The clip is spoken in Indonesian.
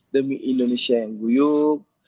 demi indonesia yang guyup